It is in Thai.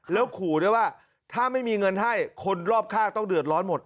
แล้วขู่ด้วยว่าถ้าไม่มีเงินให้คนรอบข้างต้องเดือดร้อนหมด